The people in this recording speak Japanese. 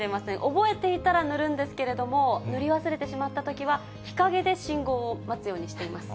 覚えていたら塗るんですけれども、塗り忘れてしまったときは、日陰で信号を待つようにしています。